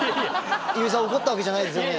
油井さん怒ったわけじゃないですよね？